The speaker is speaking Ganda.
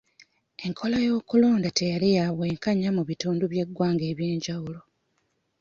Enkola y'okulonda teyali ya bwenkanya mu bitundu by'eggwanga eby'enjawulo.